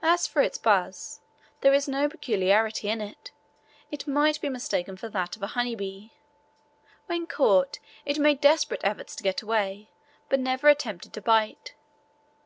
As for its buzz, there is no peculiarity in it, it might be mistaken for that of a honey bee. When caught it made desperate efforts to get away, but never attempted to bite.